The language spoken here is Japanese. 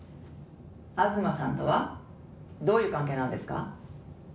「東さんとはどういう関係なんですか？」